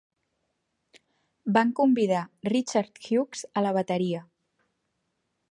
Van convidar Richard Hughes a la bateria.